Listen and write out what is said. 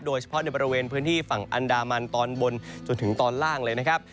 โดยเฉพาะในบริเวณพื้นที่ฝั่งอันดามันตอนบนจนถึงตอนล่างเลยนะครับ